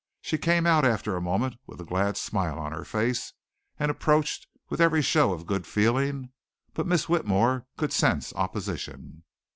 She came out after a moment with a glad smile on her face and approached with every show of good feeling, but Miss Whitmore could sense opposition.